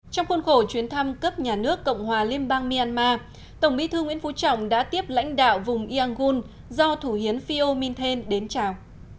trong khuôn khổ chuyến thăm cấp nhà nước cộng hòa liên bang myanmar tổng bí thư nguyễn phú trọng đã tiếp lãnh đạo vùng yangon do thủ hiến pheo minh thên đến chào